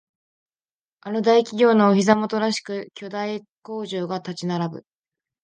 あの大企業のお膝元らしく巨大工場が立ち並ぶ